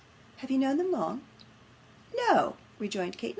'Have you known them long?' 'No,' rejoined Kate.